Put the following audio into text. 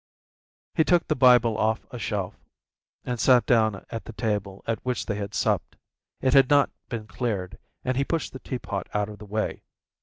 He took the Bible off a shelf, and sat down at the table at which they had supped. It had not been cleared, and he pushed the tea pot out of the way.